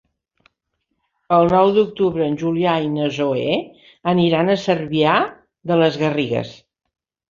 El nou d'octubre en Julià i na Zoè aniran a Cervià de les Garrigues.